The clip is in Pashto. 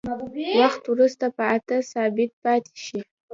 وخت وروسته په اته ثابت پاتې شي.